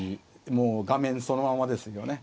もう画面そのままですよね。